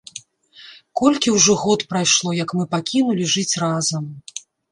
Колькі ўжо год прайшло, як мы пакінулі жыць разам!